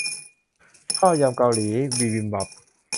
ข้าวยำเกาหลี บิบิมบับ